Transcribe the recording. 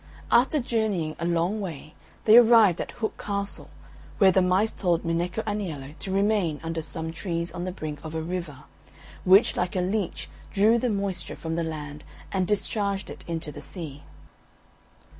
After journeying a long way they arrived at Hook Castle, where the mice told Minecco Aniello to remain under some trees on the brink of a river, which like a leech drew the moisture from the land and discharged it into the sea.